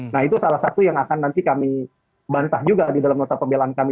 nah itu salah satu yang akan nanti kami bantah juga di dalam nota pembelaan kami